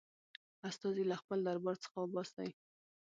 استازی له خپل دربار څخه وباسي.